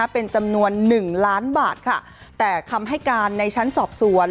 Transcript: เป็นจำนวนหนึ่งล้านบาทค่ะแต่คำให้การในชั้นสอบสวน